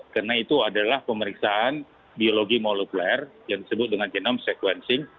karena itu adalah pemeriksaan biologi molekuler yang disebut dengan genome sequencing